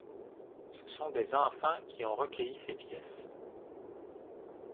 Ce sont des enfants qui ont recueilli ces pièces.